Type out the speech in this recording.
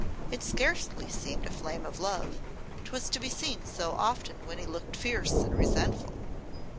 It scarcely seemed a flame of love; 'twas to be seen so often when he looked fierce and resentful.